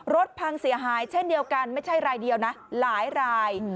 พังเสียหายเช่นเดียวกันไม่ใช่รายเดียวนะหลายราย